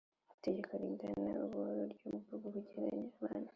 itegeko rigena uburyo bwo kurengera abana